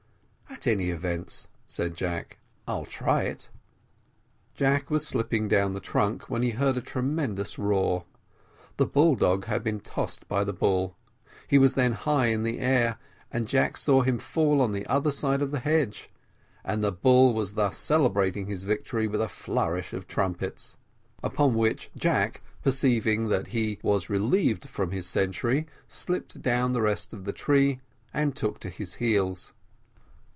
"At all events," said Jack, "I'll try it." Jack was slipping down the trunk, when he heard a tremendous roar; the bull dog had been tossed by the bull; he was then high in the air, and Jack saw him fall on the other side of the hedge; and the bull was thus celebrating his victory with a flourish of trumpets. Upon which Jack, perceiving that he was relieved from his sentry, slipped down the rest of the tree and took to his heels.